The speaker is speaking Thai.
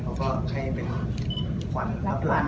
ก็ให้ให้เป็นขวัญล้าน